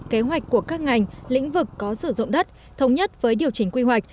kế hoạch của các ngành lĩnh vực có sử dụng đất thống nhất với điều chỉnh quy hoạch